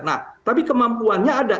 nah tapi kemampuannya ada